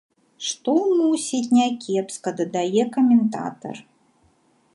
Што, мусіць, някепска, дадае каментатар.